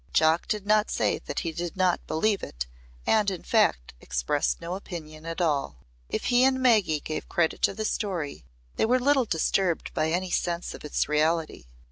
Jock did not say that he did not believe it and in fact expressed no opinion at all. If he and Maggy gave credit to the story, they were little disturbed by any sense of its reality.